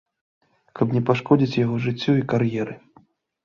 Каб не пашкодзіць яго жыццю і кар'еры.